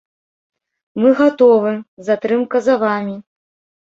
Мы гатовы, затрымка за вамі.